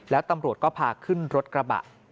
แล้วตำรวจก็พาขึ้นรถกระบะ